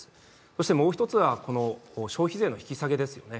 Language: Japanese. そしてもう一つは、消費税の引き下げですよね。